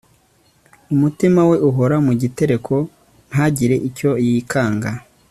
umutima we uhora mu gitereko, ntagire icyo yikanga